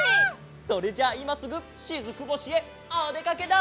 それじゃあいますぐしずく星へおでかけだ！